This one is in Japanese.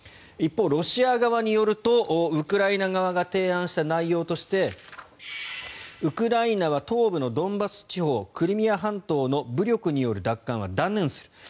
一方、ロシア側によるとウクライナ側が提案した内容としてウクライナは東部のドンバス地方クリミア半島の武力による奪還は断念する。